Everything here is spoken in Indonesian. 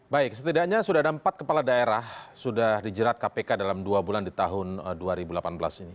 baik setidaknya sudah ada empat kepala daerah sudah dijerat kpk dalam dua bulan di tahun dua ribu delapan belas ini